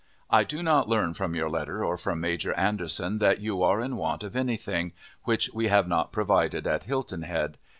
I do not learn from your letter, or from Major Anderson, that you are in want of any thing which we have not provided at Hilton Head.